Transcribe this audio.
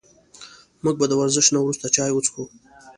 موږ به د ورزش نه وروسته چای وڅښو